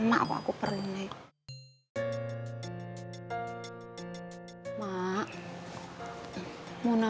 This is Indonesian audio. masih bicanda aja